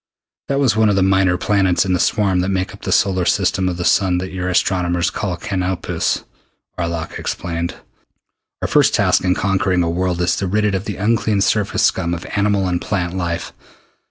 "That was one of the minor planets in the swarm that make up the solar system of the sun that your astronomers call Canopus," Arlok explained. "Our first task in conquering a world is to rid it of the unclean surface scum of animal and plant life.